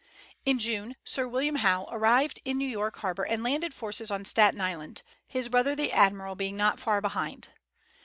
In June, Sir William Howe arrived in New York harbor and landed forces on Staten Island, his brother the admiral being not far behind.